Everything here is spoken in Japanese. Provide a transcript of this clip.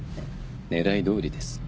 狙いどおりです。